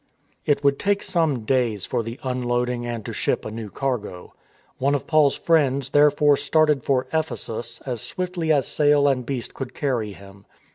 It would take some days for the unloading and to ship a new cargo. One of Paul's friends therefore started for Ephesus as swiftly as sail and beast could carry him.